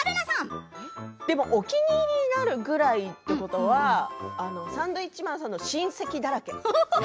でもお気に入りになるくらいということはサンドウィッチマンさんの親戚だらけ。